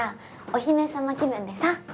お姫様気分でさ。